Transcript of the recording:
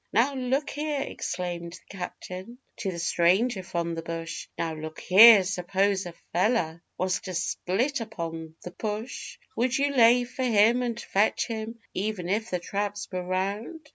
'Now, look here,' exclaimed the captain to the stranger from the bush, 'Now, look here suppose a feller was to split upon the push, Would you lay for him and fetch him, even if the traps were round?